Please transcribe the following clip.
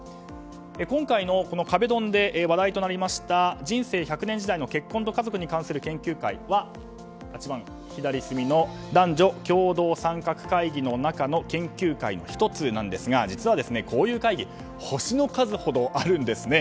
今回の壁ドンで話題となりました人生１００年時代の結婚と家族に関する研究会は男女共同参画会議の中の研究会の１つなんですが実はこういう会議星の数ほどあるんですね。